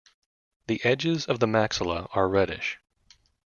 The edges of the maxilla are reddish.